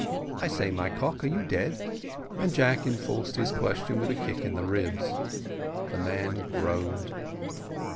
I say, my cock, are you dead?" and Jack enforced his question with a kick in the ribs. The man groaned.